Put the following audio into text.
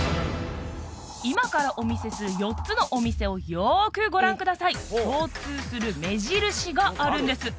今からお見せする４つのお店をよくご覧ください共通する目印があるんです